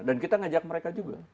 dan kita ngajak mereka juga